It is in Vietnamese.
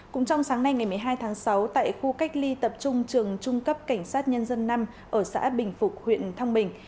cũng trong sáng nay ngày một mươi hai tháng sáu tại khu cách ly tập trung trường trung cấp cảnh sát nhân dân năm ở xã bình phục huyện thăng bình